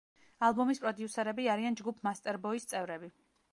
ალბომის პროდიუსერები არიან ჯგუფ მასტერბოის წევრები.